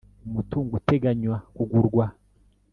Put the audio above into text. umutungo uteganywa kugurwa